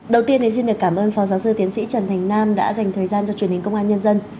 đầu tiên thì xin được cảm ơn phó giáo sư tiến sĩ trần thành nam đã dành thời gian cho truyền hình công an nhân dân